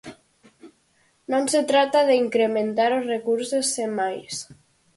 Non se trata de incrementar os recursos sen máis.